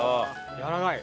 やわらかい！